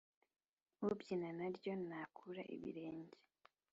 Ubyina naryo ntakura ibirenge